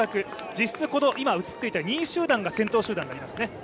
実質、今映っていた２位集団が先頭集団になりますね。